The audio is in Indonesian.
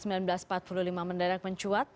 seribu sembilan ratus empat puluh lima mendarat mencuat